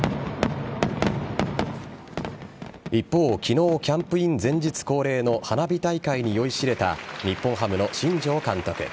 一方、昨日キャンプイン前日恒例の花火大会に酔いしれた日本ハムの新庄監督。